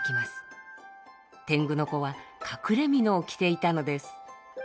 天狗の子は隠れ蓑を着ていたのです。